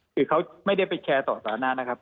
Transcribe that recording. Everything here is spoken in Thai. คือเขาไม่ได้ไปแชร์ต่อตอนนั้นนะครับ